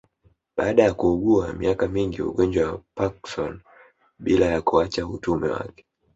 Baada ya kuugua miaka mingi Ugonjwa wa Parknson bila ya kuacha utume wake